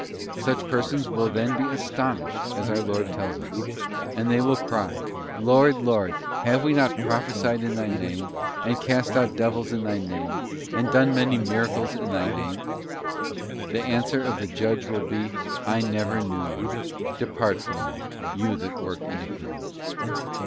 Such persons will then be asto nished, as our Lord tells us; and they will cry, ' Lord, Lord, ' have not we prophesied in Thy Name, and cast out devils in Thy Name, and done many miracles in Thy Name?' The answer of the Judge will be, 'I never knew you; depart from Me, you that work iniquity.